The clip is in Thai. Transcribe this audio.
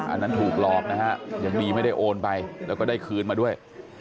อันนั้นถูกหลอกนะฮะยังดีไม่ได้โอนไปแล้วก็ได้คืนมาด้วย